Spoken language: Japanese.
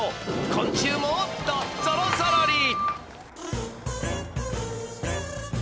昆虫もっとぞろぞろり！